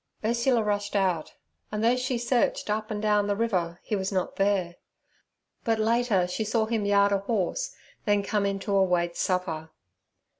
Ursula rushed out, and though she searched up and down the river he was not there; but later she saw him yard a horse, then come in to await supper.